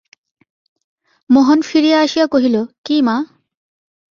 মোহন ফিরিয়া আসিয়া কহিল, কী মা?